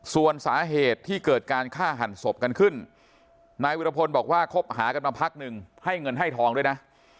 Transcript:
ส่วนสาเหตุที่เกิดการฆ่าหันศพกันขึ้นนายวิรพลบอกว่าคบหากันมาพักหนึ่งให้เงินให้ทองด้วยนะ